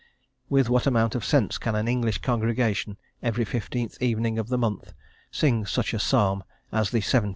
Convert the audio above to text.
With what amount of sense can an English congregation every 15th evening of the month sing such a Psalm as the lxxviii.